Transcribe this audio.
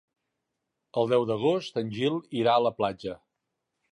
El deu d'agost en Gil irà a la platja.